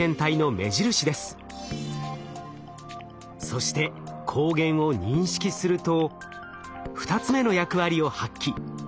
そして抗原を認識すると２つ目の役割を発揮。